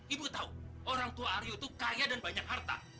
ibu tahu orang tua aryo itu kaya dan banyak harta